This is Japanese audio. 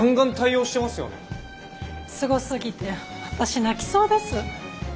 すごすぎて私泣きそうです。